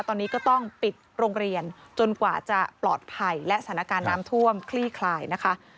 ตอนนี้ก็ต้องปิดโรงเรียนจนกว่าจะปลอดภัยและสถานการณ์น้ำท่วมคลี่คลายนะคะ